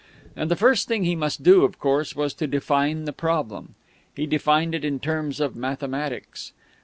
And the first thing he must do, of course, was to define the problem. He defined it in terms of mathematics.